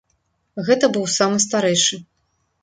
Гэта быў самы старэйшы.